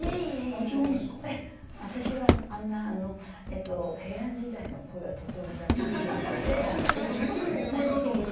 いえいえ私は平安時代の声はとても出せない。